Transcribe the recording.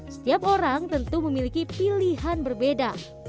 setiap orang tentu memiliki pilihan berbeda